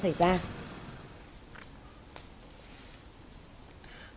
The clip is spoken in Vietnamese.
thưa quý vị và các bạn